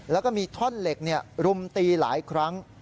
แล้วก็มีท่อนเหล็กรุมตีหลายครั้ง